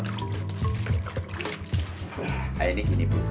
nah ini gini bu